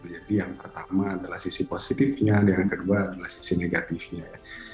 yang pertama adalah sisi positifnya yang kedua adalah sisi negatifnya ya